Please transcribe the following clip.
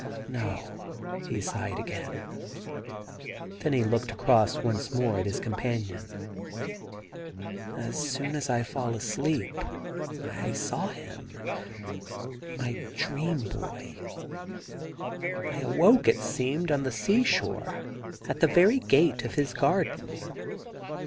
' No.' He sighed again. Then he looked across once more at his companion. 'As soon as I fell asleep I saw him — my dream boy. I awoke, it seemed, on the sea shore, at the very gate of his garden.